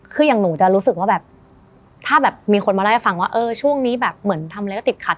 คืออย่างหนูจะรู้สึกว่าแบบถ้าแบบมีคนมาเล่าให้ฟังว่าเออช่วงนี้แบบเหมือนทำอะไรก็ติดขัด